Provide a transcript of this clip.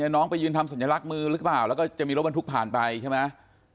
น้องไปยืนทำสัญลักษณ์มือหรือเปล่าแล้วก็จะมีรถบรรทุกผ่านไปใช่ไหม